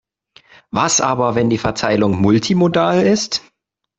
Was aber, wenn die Verteilung multimodal ist?